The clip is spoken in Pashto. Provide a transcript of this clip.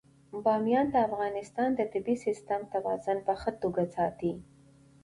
بامیان د افغانستان د طبعي سیسټم توازن په ښه توګه ساتي.